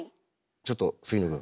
ちょっと杉野くん。